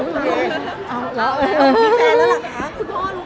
มีแฟนแล้วหรอคะ